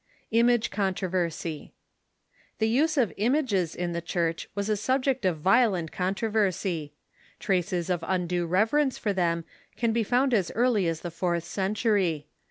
The use of images in the church was a subject of violent con troversy. Traces of undue reverence for them can be found as eai'ly as the fourth century.